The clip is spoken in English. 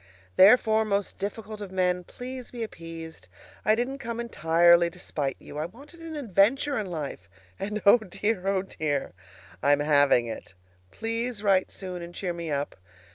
Therefore, most difficult of men, please be appeased. I didn't come entirely to spite you. I wanted an adventure in life, and, oh dear! oh dear! I'm having it! PLEASE write soon, and cheer me up.